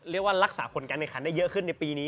เรียกว่ารักษาผลการแข่งขันได้เยอะขึ้นในปีนี้